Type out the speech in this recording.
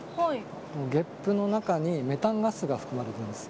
そのゲップの中にメタンガスが含まれています。